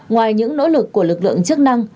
ngoài những nỗ lực của lực lượng chức năng